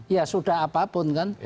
ya sudah apapun kan